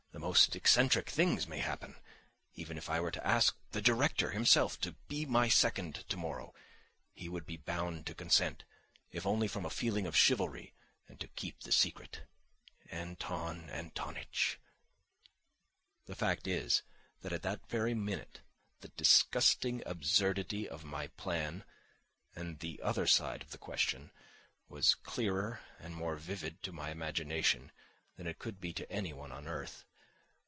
The most eccentric things may happen. Even if I were to ask the director himself to be my second tomorrow, he would be bound to consent, if only from a feeling of chivalry, and to keep the secret! Anton Antonitch...." The fact is, that at that very minute the disgusting absurdity of my plan and the other side of the question was clearer and more vivid to my imagination than it could be to anyone on earth.